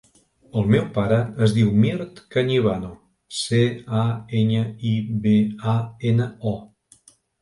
El meu pare es diu Mirt Cañibano: ce, a, enya, i, be, a, ena, o.